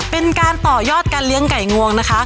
เป็นการต่อยอดการเลี้ยงไก่งวงนะคะ